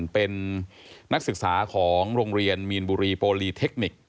เป็นนักศึกษาของโรงเรียนมีนบุรีโปรลีเทคนิค